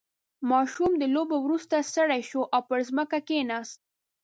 • ماشوم د لوبو وروسته ستړی شو او پر ځمکه کښېناست.